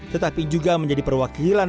tetapi juga menjadi perwakilan